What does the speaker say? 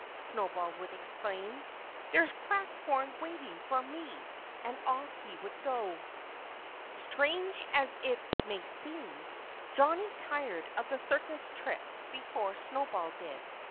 Snowball would exclaim. "There's cracked corn waiting for me!" And off he would go. Strange as it may seem, Johnnie tired of the circus tricks before Snowball did.